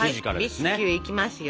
ビスキュイいきますよ。